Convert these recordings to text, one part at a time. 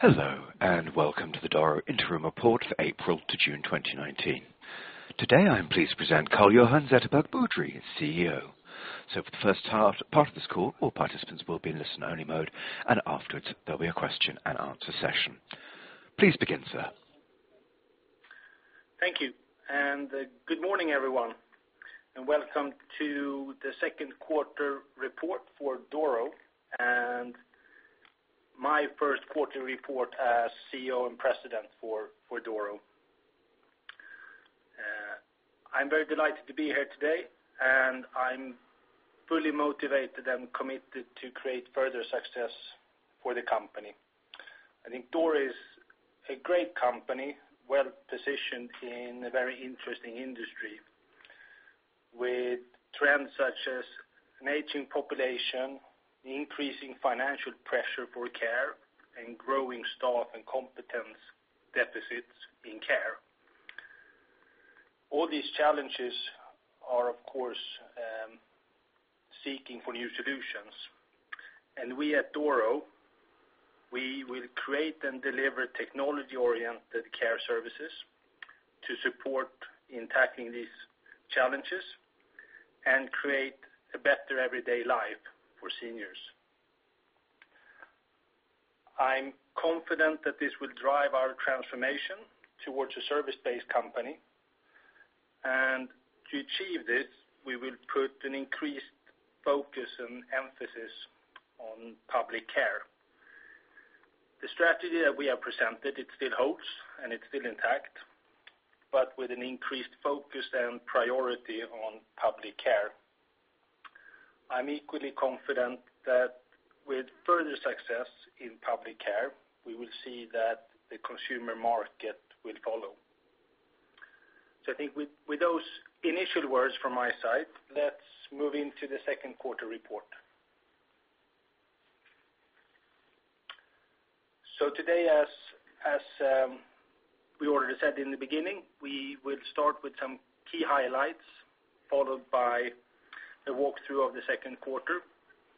Hello, and welcome to the Doro Interim Report for April to June 2019. Today, I am pleased to present Carl-Johan Zetterberg Boudrie, CEO. For the first part of this call, all participants will be in listen-only mode, and afterwards there'll be a question and answer session. Please begin, sir. Thank you. Good morning, everyone, and welcome to the second quarter report for Doro and my first quarter report as CEO and President for Doro. I'm very delighted to be here today, and I'm fully motivated and committed to create further success for the company. I think Doro is a great company, well-positioned in a very interesting industry with trends such as an aging population, increasing financial pressure for care, and growing staff and competence deficits in care. All these challenges are, of course, seeking for new solutions. We at Doro, we will create and deliver technology-oriented care services to support in tackling these challenges and create a better everyday life for seniors. I'm confident that this will drive our transformation towards a service-based company. To achieve this, we will put an increased focus and emphasis on public care. The strategy that we have presented, it still holds, and it's still intact, but with an increased focus and priority on public care. I'm equally confident that with further success in public care, we will see that the consumer market will follow. I think with those initial words from my side, let's move into the second quarter report. Today, as we already said in the beginning, we will start with some key highlights, followed by the walkthrough of the second quarter,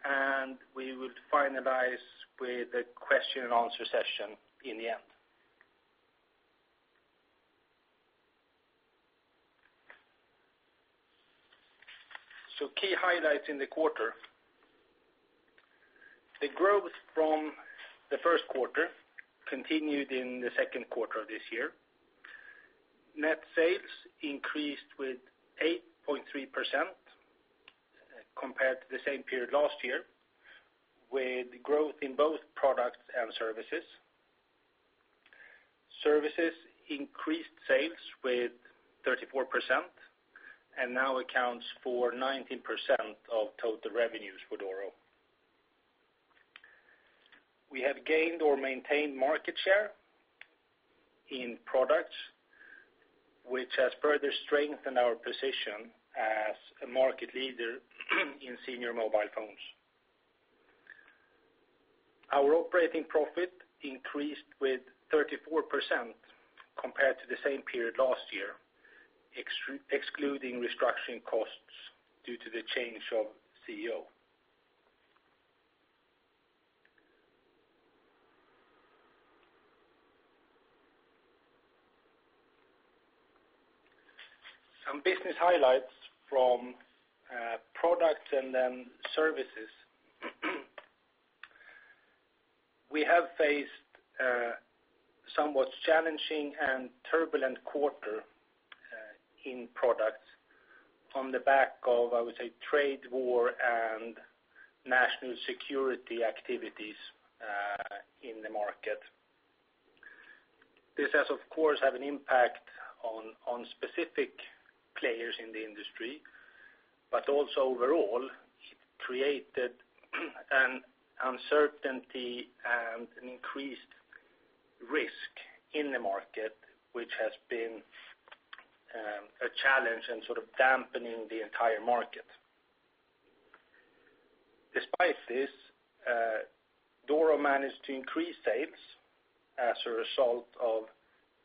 and we will finalize with a question and answer session in the end. Key highlights in the quarter. The growth from the first quarter continued in the second quarter of this year. Net sales increased with 8.3% compared to the same period last year, with growth in both products and services. Services increased sales with 34% and now accounts for 19% of total revenues for Doro. We have gained or maintained market share in products, which has further strengthened our position as a market leader in senior mobile phones. Our operating profit increased with 34% compared to the same period last year, excluding restructuring costs due to the change of CEO. Some business highlights from products and then services. We have faced a somewhat challenging and turbulent quarter in products on the back of, I would say, trade war and national security activities in the market. This has, of course, had an impact on specific players in the industry, but also overall, it created an uncertainty and an increased risk in the market, which has been a challenge and sort of dampening the entire market. Despite this, Doro managed to increase sales as a result of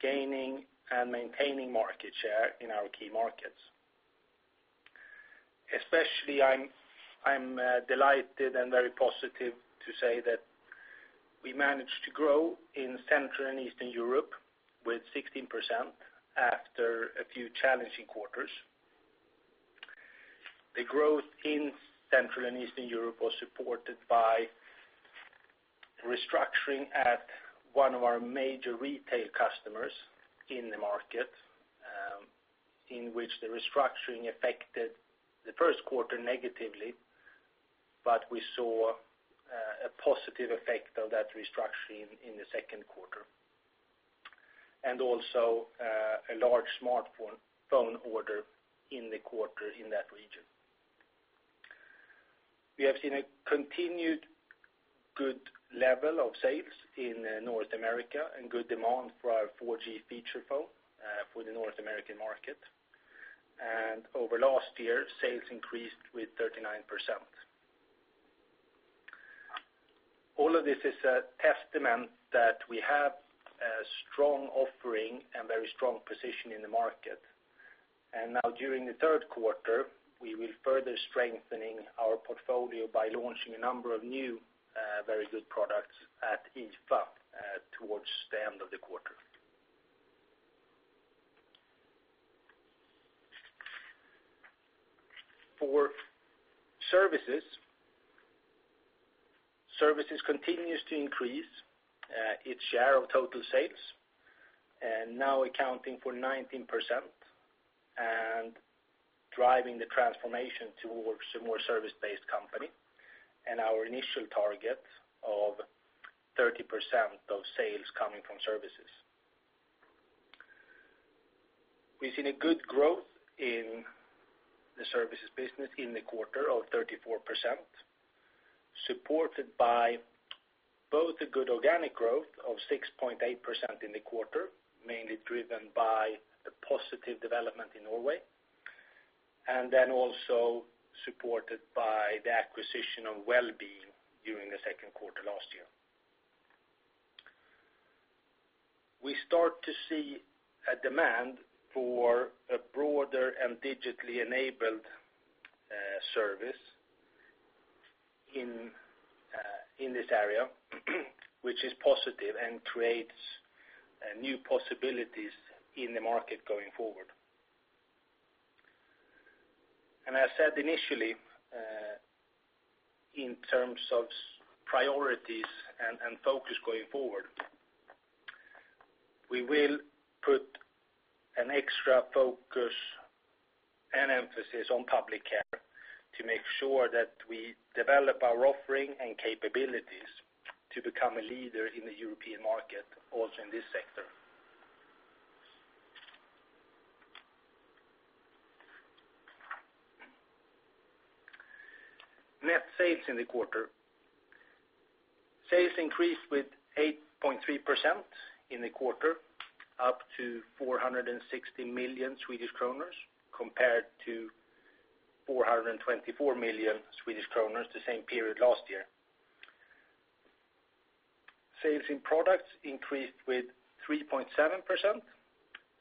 gaining and maintaining market share in our key markets. I'm delighted and very positive to say that we managed to grow in Central and Eastern Europe with 16% after a few challenging quarters. The growth in Central and Eastern Europe was supported by restructuring at one of our major retail customers in the market, in which the restructuring affected the first quarter negatively, but we saw a positive effect of that restructuring in the second quarter. A large smartphone order in the quarter in that region. We have seen a continued good level of sales in North America and good demand for our 4G feature phone for the North American market. Over last year, sales increased with 39%. All of this is a testament that we have a strong offering and very strong position in the market. Now during the third quarter, we will further strengthen our portfolio by launching a number of new very good products at IFA towards the end of the quarter. For services continues to increase its share of total sales, now accounting for 19% and driving the transformation towards a more service-based company and our initial target of 30% of sales coming from services. We've seen a good growth in the services business in the quarter of 34%, supported by both the good organic growth of 6.8% in the quarter, mainly driven by the positive development in Norway, and also supported by the acquisition of Welbeing during the second quarter last year. We start to see a demand for a broader and digitally enabled service in this area, which is positive and creates new possibilities in the market going forward. I said initially, in terms of priorities and focus going forward, we will put an extra focus and emphasis on public care to make sure that we develop our offering and capabilities to become a leader in the European market also in this sector. Net sales in the quarter. Sales increased with 8.3% in the quarter, up to 460 million Swedish kronor, compared to 424 million Swedish kronor the same period last year. Sales in products increased with 3.7%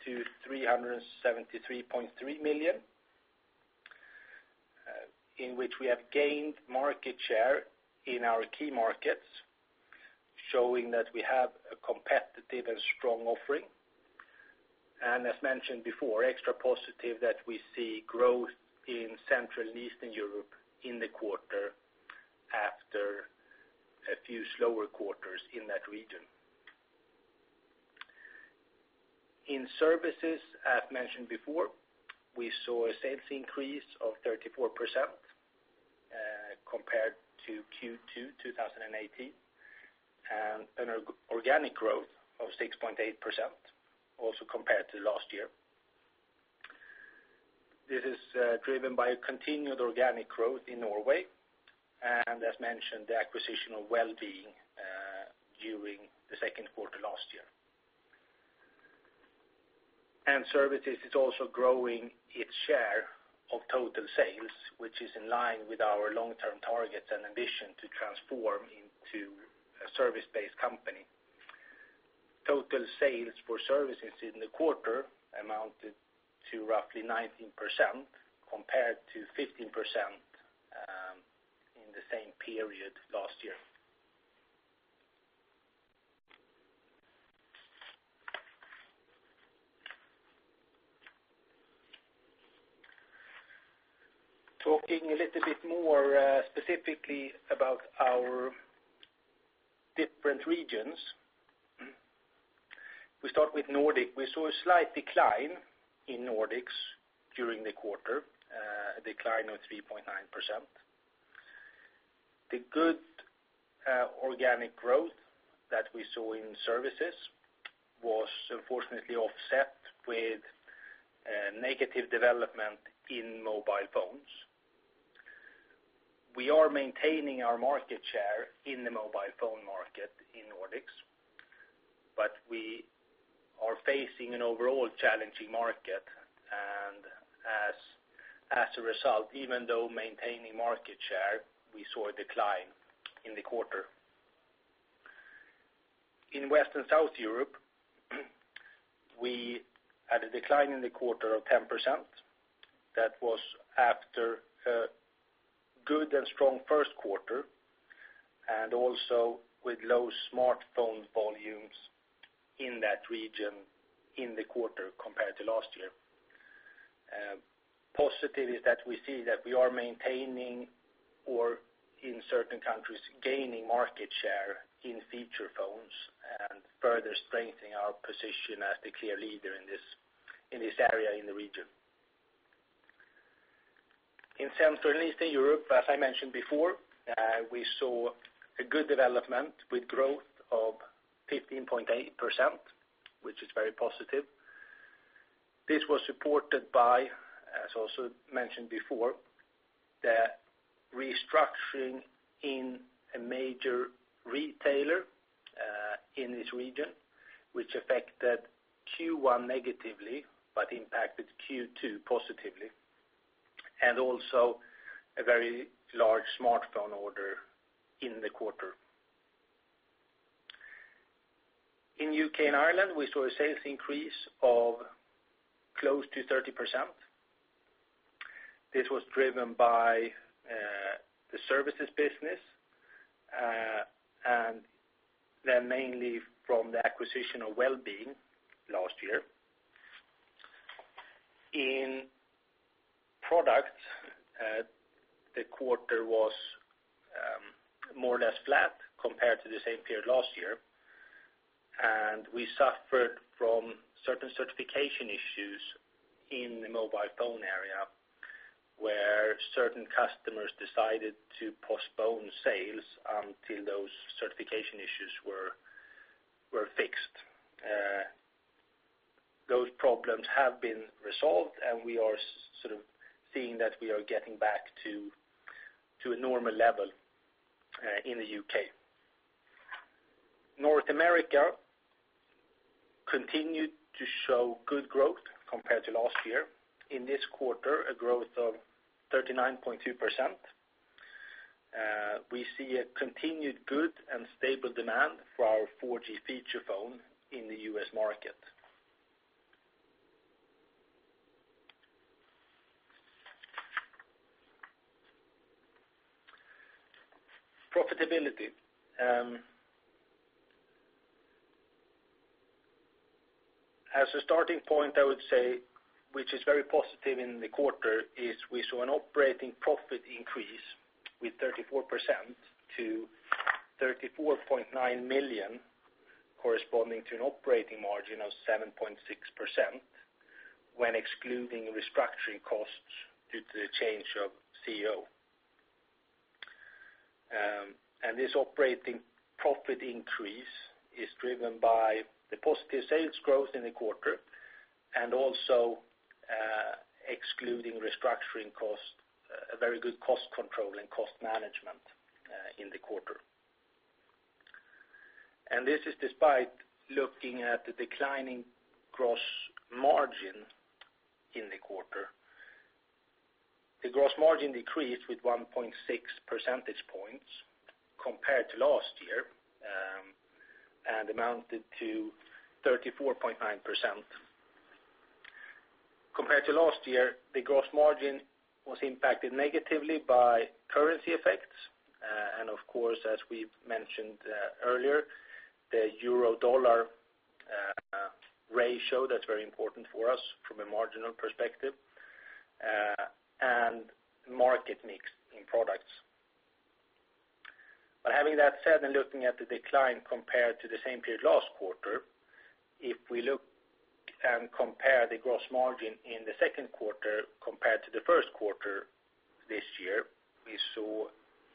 to SEK 373.3 million, in which we have gained market share in our key markets, showing that we have a competitive and strong offering. As mentioned before, extra positive that we see growth in Central and Eastern Europe in the quarter after a few slower quarters in that region. In services, as mentioned before, we saw a sales increase of 34% compared to Q2 2018, an organic growth of 6.8% also compared to last year. This is driven by a continued organic growth in Norway, and as mentioned, the acquisition of Welbeing during the second quarter last year. Services is also growing its share of total sales, which is in line with our long-term targets and ambition to transform into a service-based company. Total sales for services in the quarter amounted to roughly 19%, compared to 15% in the same period last year. Talking a little bit more specifically about our different regions. We start with Nordic. We saw a slight decline in Nordics during the quarter, a decline of 3.9%. The good organic growth that we saw in services was unfortunately offset with negative development in mobile phones. We are maintaining our market share in the mobile phone market in Nordics, but we are facing an overall challenging market. As a result, even though maintaining market share, we saw a decline in the quarter. In West and South Europe, we had a decline in the quarter of 10%. That was after a good and strong first quarter, also with low smartphone volumes in that region in the quarter compared to last year. Positive is that we see that we are maintaining, or in certain countries, gaining market share in feature phones further strengthening our position as the clear leader in this area in the region. In Central and Eastern Europe, as I mentioned before, we saw a good development with growth of 15.8%, which is very positive. This was supported by, as also mentioned before, the restructuring in a major retailer in this region, which affected Q1 negatively but impacted Q2 positively, and also a very large smartphone order in the quarter. In U.K. and Ireland, we saw a sales increase of close to 30%. This was driven by the services business, then mainly from the acquisition of Welbeing last year. In product, the quarter was more or less flat compared to the same period last year. We suffered from certain certification issues in the mobile phone area, where certain customers decided to postpone sales until those certification issues were fixed. Those problems have been resolved. We are seeing that we are getting back to a normal level in the U.K. North America continued to show good growth compared to last year. In this quarter, a growth of 39.2%. We see a continued good and stable demand for our 4G feature phone in the U.S. market. Profitability. As a starting point, I would say, which is very positive in the quarter, is we saw an operating profit increase with 34% to 34.9 million, corresponding to an operating margin of 7.6%, when excluding restructuring costs due to the change of CEO. This operating profit increase is driven by the positive sales growth in the quarter, also excluding restructuring cost, a very good cost control and cost management in the quarter. This is despite looking at the declining gross margin in the quarter. The gross margin decreased with 1.6 percentage points compared to last year, amounted to 34.9%. Compared to last year, the gross margin was impacted negatively by currency effects. Of course, as we mentioned earlier, the euro-dollar ratio, that's very important for us from a marginal perspective, and market mix in products. Having that said, looking at the decline compared to the same period last quarter, if we look and compare the gross margin in the second quarter compared to the first quarter this year, we saw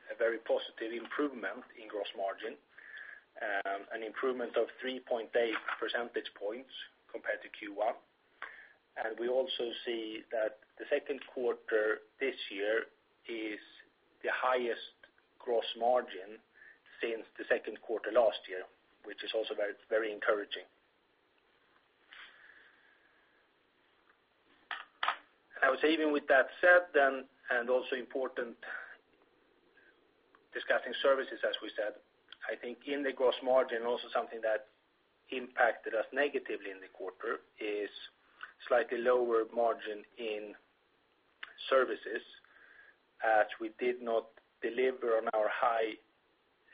a very positive improvement in gross margin, an improvement of 3.8 percentage points compared to Q1. We also see that the second quarter this year is the highest gross margin since the second quarter last year, which is also very encouraging. I would say, even with that said then, also important discussing services, as we said, I think in the gross margin, also something that impacted us negatively in the quarter is slightly lower margin in services, as we did not deliver on our high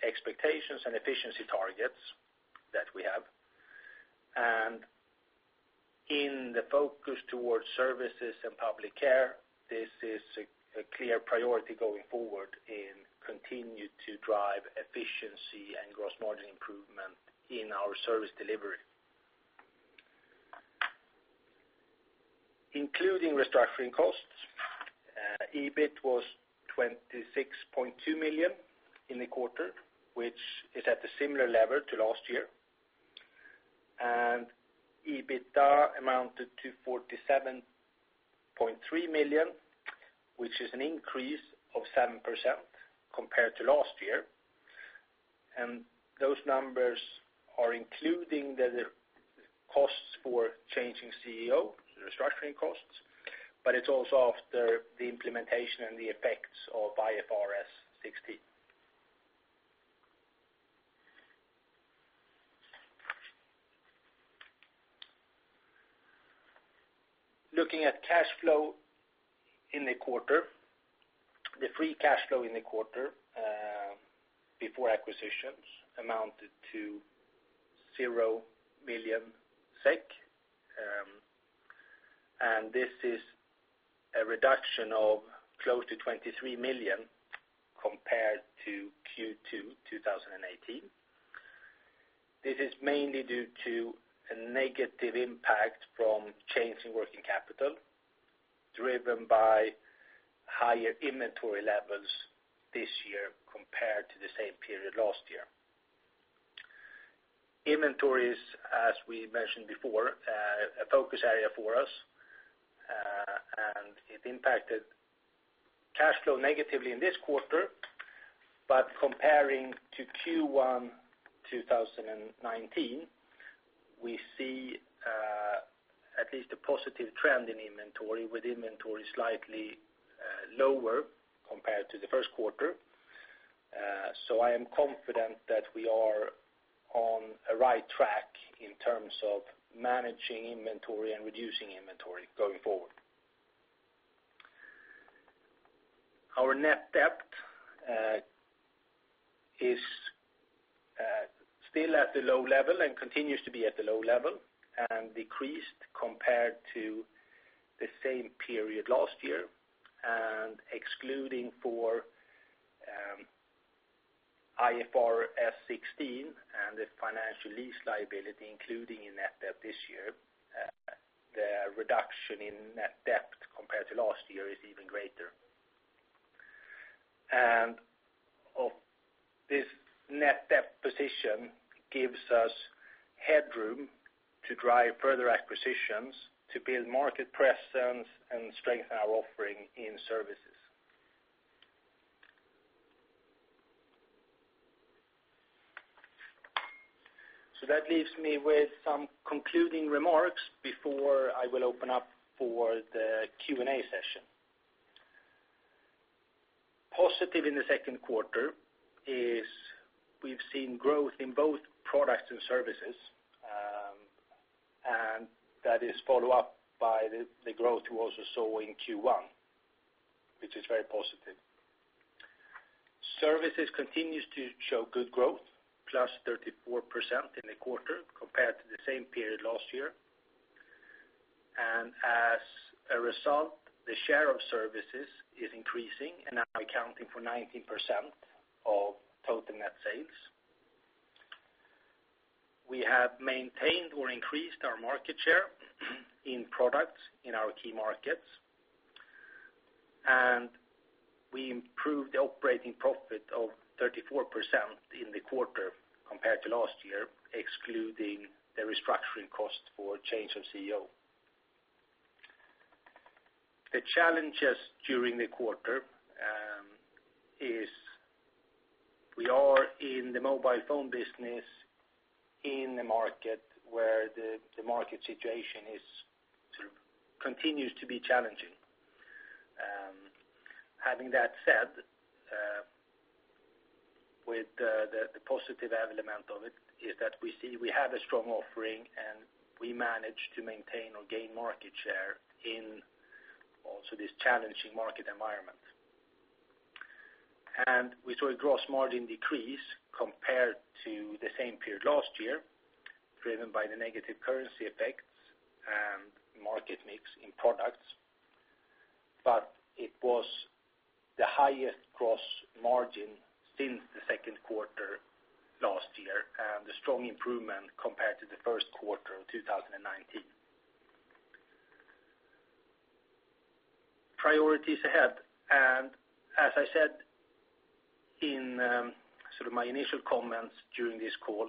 expectations and efficiency targets that we have. In the focus towards services and public care, this is a clear priority going forward and continue to drive efficiency and gross margin improvement in our service delivery. Including restructuring costs, EBIT was 26.2 million in the quarter, which is at a similar level to last year. EBITDA amounted to 47.3 million, which is an increase of 7% compared to last year. Those numbers are including the costs for changing CEO, the restructuring costs, but it is also after the implementation and the effects of IFRS 16. Looking at cash flow in the quarter, the free cash flow in the quarter, before acquisitions amounted to SEK 0 million, this is a reduction of close to 23 million compared to Q2 2018. This is mainly due to a negative impact from change in working capital, driven by higher inventory levels this year compared to the same period last year. Inventories, as we mentioned before, a focus area for us, and it impacted cash flow negatively in this quarter, but comparing to Q1 2019, we see At least a positive trend in inventory, with inventory slightly lower compared to the first quarter. I am confident that we are on a right track in terms of managing inventory and reducing inventory going forward. Our net debt is still at a low level and continues to be at a low level, decreased compared to the same period last year. Excluding for IFRS 16 and the financial lease liability including in net debt this year, the reduction in net debt compared to last year is even greater. Of this net debt position gives us headroom to drive further acquisitions, to build market presence and strengthen our offering in services. That leaves me with some concluding remarks before I will open up for the Q&A session. Positive in the second quarter is we have seen growth in both products and services, and that is follow up by the growth we also saw in Q1, which is very positive. Services continues to show good growth, +34% in the quarter compared to the same period last year. As a result, the share of services is increasing and now accounting for 19% of total net sales. We have maintained or increased our market share in products in our key markets, and we improved the operating profit of 34% in the quarter compared to last year, excluding the restructuring cost for change of CEO. The challenges during the quarter is we are in the mobile phone business in the market where the market situation continues to be challenging. Having that said, with the positive element of it is that we see we have a strong offering and we manage to maintain or gain market share in also this challenging market environment. We saw a gross margin decrease compared to the same period last year, driven by the negative currency effects and market mix in products. It was the highest gross margin since the second quarter last year, and a strong improvement compared to the first quarter of 2019. Priorities ahead. As I said in my initial comments during this call,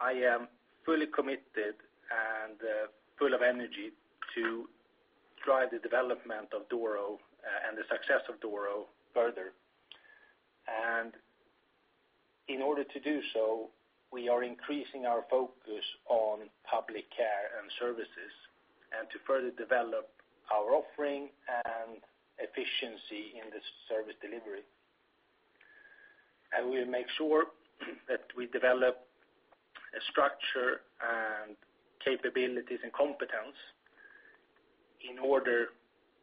I am fully committed and full of energy to drive the development of Doro and the success of Doro further. In order to do so, we are increasing our focus on public care and services, and to further develop our offering and efficiency in the service delivery. We will make sure that we develop a structure and capabilities and competence in order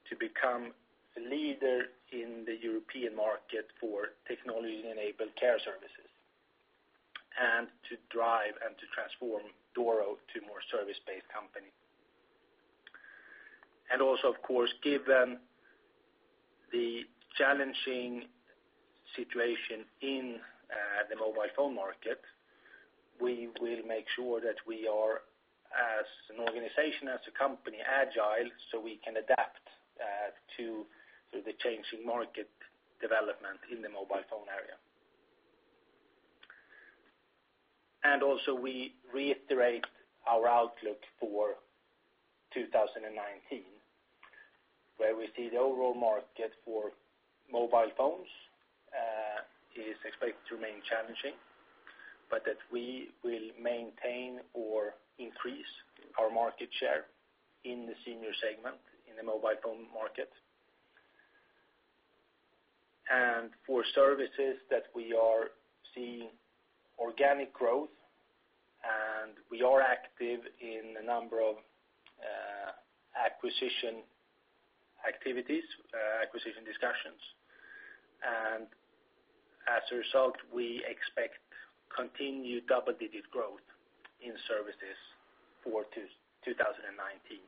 to become a leader in the European market for technology-enabled care services, and to drive and to transform Doro to more service-based company. Also of course, given the challenging situation in the mobile phone market, we will make sure that we are as an organization, as a company, agile so we can adapt to the changing market development in the mobile phone area. Also we reiterate our outlook for 2019, where we see the overall market for mobile phones is expected to remain challenging, but that we will maintain or increase our market share in the senior segment in the mobile phone market. For services that we are seeing organic growth, and we are active in a number of acquisition activities, acquisition discussions. As a result, we expect continued double-digit growth in services for 2019,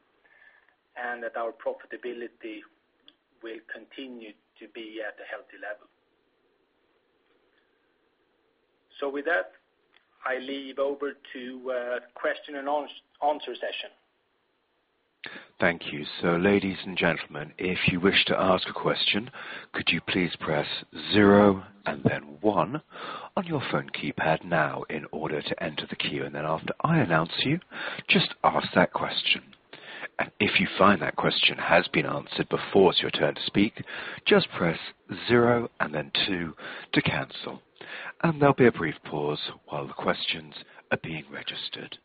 and that our profitability will continue to be at a healthy level. With that, I leave over to question and answer session. Thank you. Ladies and gentlemen, if you wish to ask a question, could you please press zero and then one on your phone keypad now in order to enter the queue. Then after I announce you, just ask that question. If you find that question has been answered before it's your turn to speak, just press zero and then two to cancel, and there will be a brief pause while the questions are being registered.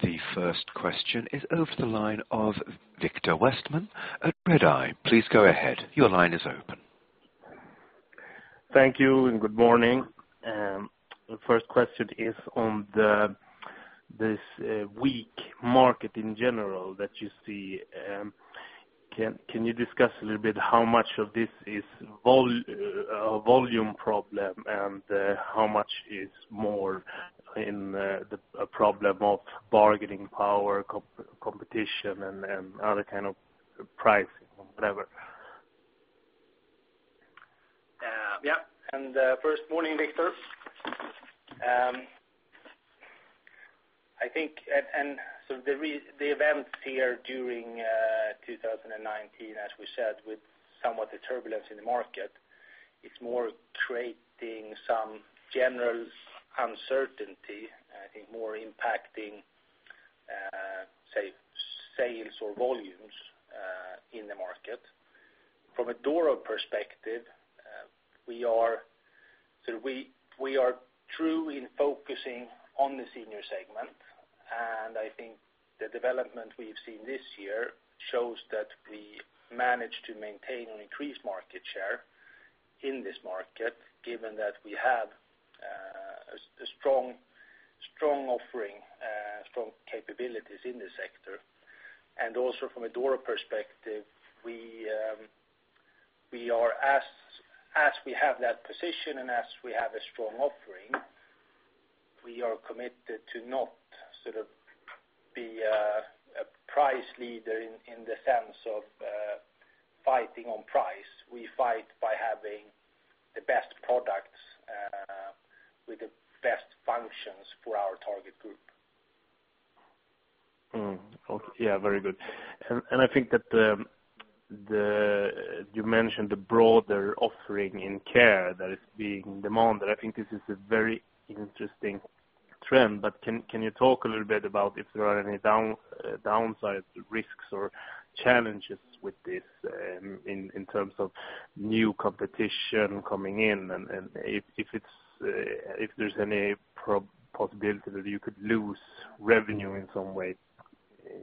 The first question is over the line of Viktor Westman at Redeye. Please go ahead. Your line is open. Thank you. Good morning. The first question is on this weak market in general that you see. Can you discuss a little bit how much of this is a volume problem, and how much is more a problem of bargaining power, competition, and other kind of pricing, or whatever? Yeah. First, morning, Viktor. The events here during 2019, as we said, with somewhat the turbulence in the market, it is more creating some general uncertainty, I think more impacting, say, sales or volumes in the market. From a Doro perspective, we are truly focusing on the senior segment, I think the development we have seen this year shows that we managed to maintain an increased market share in this market, given that we have a strong offering, strong capabilities in the sector. Also from a Doro perspective, as we have that position and as we have a strong offering, we are committed to not be a price leader in the sense of fighting on price. We fight by having the best products with the best functions for our target group. Okay. Yeah, very good. I think that you mentioned the broader offering in care that is being demanded. I think this is a very interesting trend, but can you talk a little bit about if there are any downside risks or challenges with this in terms of new competition coming in, and if there is any possibility that you could lose revenue in some way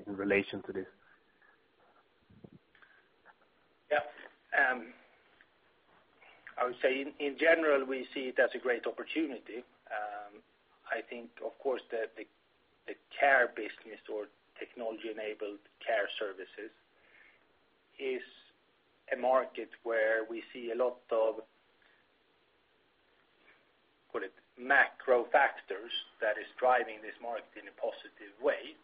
in relation to this? Yeah. I would say, in general, we see it as a great opportunity. I think, of course, the care business or technology-enabled care services is a market where we see a lot of, call it macro factors that is driving this market in a positive way.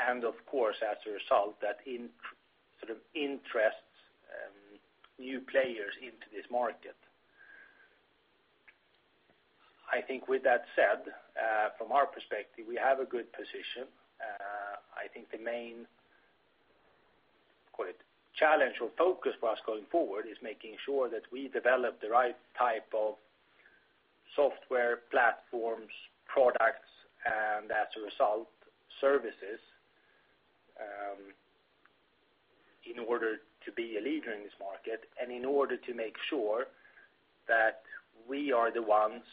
Of course, as a result, that interests new players into this market. I think with that said, from our perspective, we have a good position. I think the main, call it challenge or focus for us going forward is making sure that we develop the right type of software platforms, products, and as a result, services, in order to be a leader in this market, and in order to make sure that we are the ones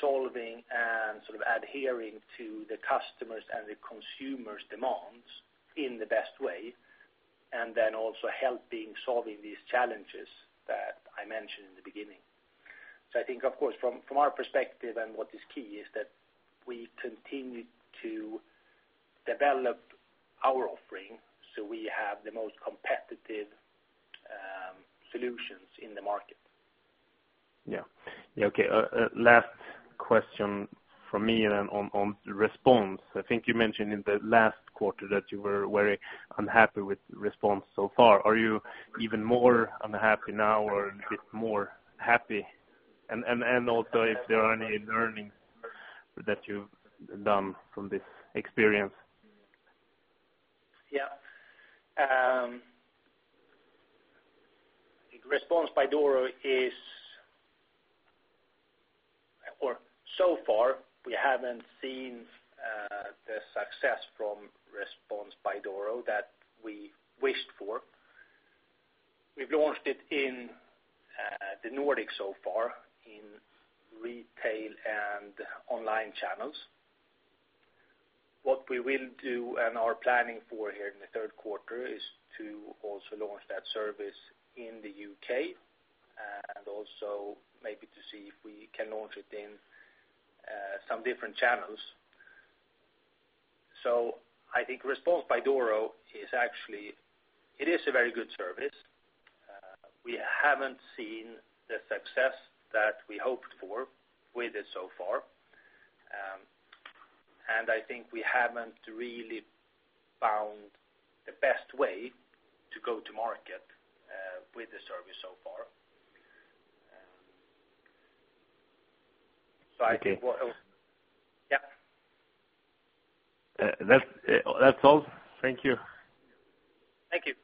solving and adhering to the customers' and the consumers' demands in the best way, and then also helping solving these challenges that I mentioned in the beginning. I think, of course, from our perspective and what is key is that we continue to develop our offering so we have the most competitive solutions in the market. Yeah. Okay. Last question from me on Response. I think you mentioned in the last quarter that you were very unhappy with Response so far. Are you even more unhappy now or a bit more happy? If there are any learnings that you've done from this experience? Yeah. Response by Doro, so far we haven't seen the success from Response by Doro that we wished for. We've launched it in the Nordic so far in retail and online channels. What we will do and are planning for here in the third quarter is to also launch that service in the U.K., also maybe to see if we can launch it in some different channels. I think Response by Doro is actually a very good service. We haven't seen the success that we hoped for with it so far, I think we haven't really found the best way to go to market with the service so far. Okay Yeah. That's all. Thank you. Thank you.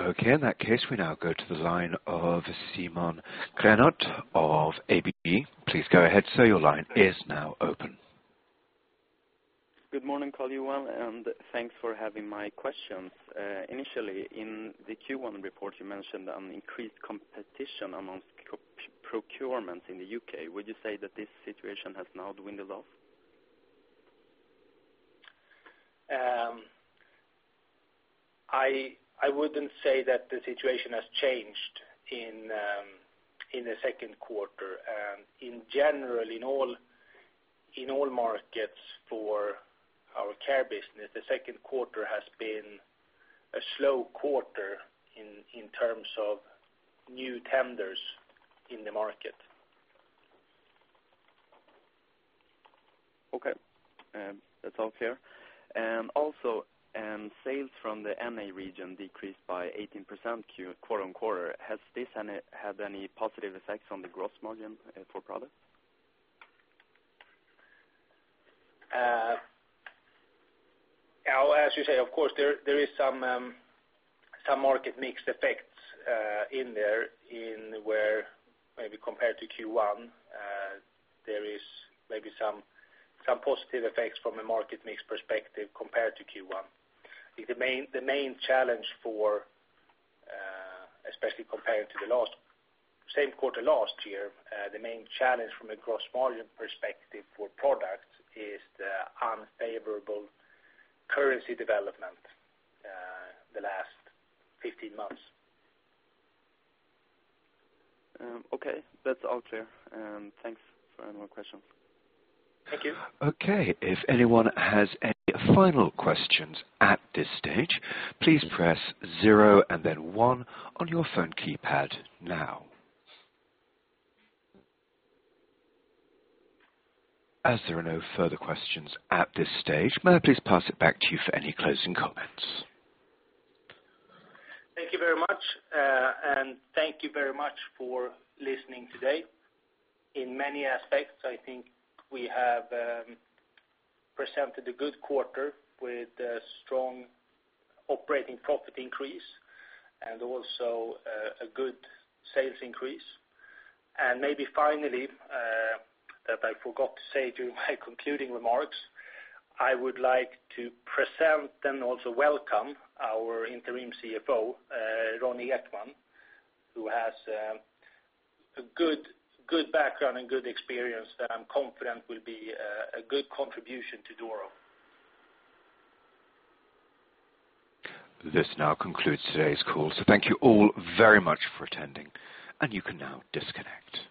Okay. In that case, we now go to the line of Simon Granath of ABG. Please go ahead. Sir, your line is now open. Good morning, all you, and thanks for having my questions. Initially, in the Q1 report, you mentioned an increased competition amongst procurements in the U.K. Would you say that this situation has now dwindled off? I wouldn't say that the situation has changed in the second quarter. In general, in all markets for our care business, the second quarter has been a slow quarter in terms of new tenders in the market. Okay. That's all clear. Also, sales from the MEA region decreased by 18% quarter-on-quarter. Has this had any positive effects on the gross margin for product? As you say, of course, there is some market mix effects in there in where maybe compared to Q1, there is maybe some positive effects from a market mix perspective compared to Q1. The main challenge for, especially compared to same quarter last year, the main challenge from a gross margin perspective for product is the unfavorable currency development the last 15 months. Okay. That's all clear. Thanks for answering my question. Thank you. Okay. If anyone has any final questions at this stage, please press zero and then one on your phone keypad now. As there are no further questions at this stage, may I please pass it back to you for any closing comments? Thank you very much. Thank you very much for listening today. In many aspects, I think we have presented a good quarter with a strong operating profit increase and also a good sales increase. Maybe finally, that I forgot to say during my concluding remarks, I would like to present and also welcome our interim CFO, Ronnie Ekman, who has a good background and good experience that I'm confident will be a good contribution to Doro. This now concludes today's call. Thank you all very much for attending, and you can now disconnect.